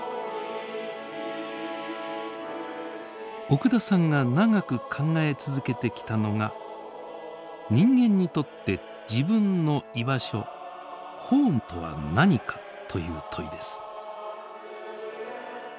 奥田さんが長く考え続けてきたのが「人間にとって自分の居場所ホームとは何か？」という問いです。